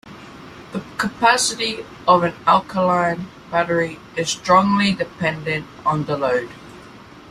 The capacity of an alkaline battery is strongly dependent on the load.